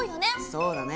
そうだね。